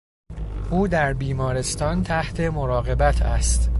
او در بیمارستان تحت مراقبت است.